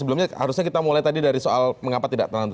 sebelumnya harusnya kita mulai tadi dari soal mengapa tidak terlalu